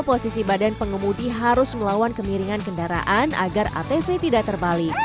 posisi badan pengemudi harus melawan kemiringan kendaraan agar atv tidak terbalik